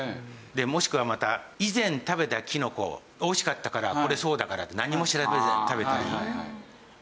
もしくはまた以前食べたキノコおいしかったからこれそうだからって何も調べずに食べたり。